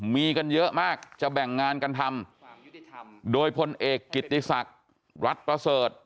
มีกันเยอะมากจะแบ่งงานกันทำโดยพลเอกกิติศักดิ์รัฐประเสริฐ